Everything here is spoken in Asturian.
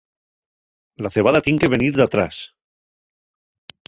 La cebada tien que venir d'atrás.